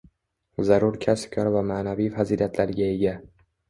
zarur kasb-kor va ma’naviy fazilatlarga ega